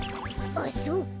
あっそうか。